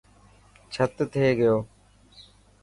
ڇت تي گيو.